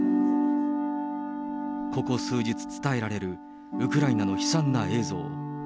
ここ数日伝えられるウクライナの悲惨な映像。